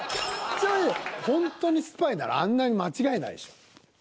ほんとにスパイならあんなに間違えないでしょ。